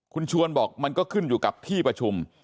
คุณชวนบอกมันก็ขึ้นอยู่กับที่ประชุม